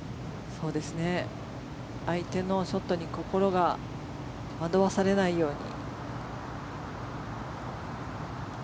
相手のショットに心が惑わされないように。